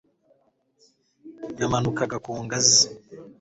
yamanukaga ku ngazi